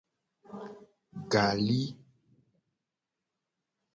Gali.